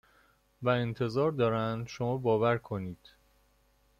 و انتظار دارند شما باور کنید!